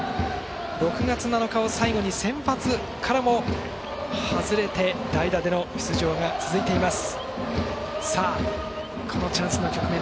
６月７日を最後に先発からも外れて代打での出場が続いています。